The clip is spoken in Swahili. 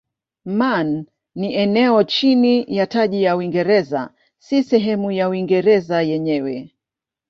Man ni eneo chini ya taji la Uingereza si sehemu ya Uingereza yenyewe.